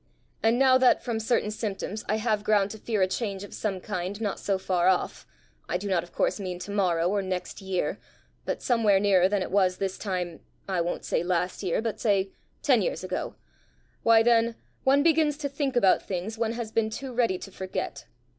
And now that, from certain symptoms, I have ground to fear a change of some kind not so far off I do not of course mean to morrow, or next year, but somewhere nearer than it was this time, I won't say last year, but say ten years ago why, then, one begins to think about things one has been too ready to forget.